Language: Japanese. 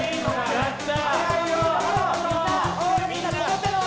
やった！